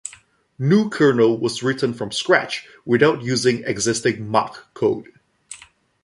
NuKernel was written from scratch, without using existing Mach code.